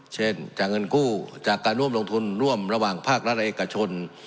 เช่นจากเงินกู้จากการร่วมลงทุนร่วมระหว่างภาครัฐและเอกชน